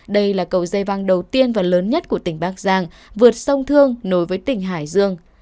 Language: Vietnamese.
đây là cầu dây văng đầu tiên và lớn nhất của tỉnh bắc giang vượt sông thương nối với tỉnh hải dương